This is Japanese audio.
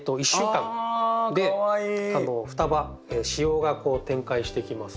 双葉子葉が展開してきます。